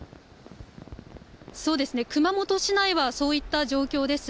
そうですね、熊本市内はそういった状況です。